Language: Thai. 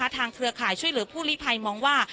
เครือข่ายช่วยเหลือผู้ลิภัยมองว่า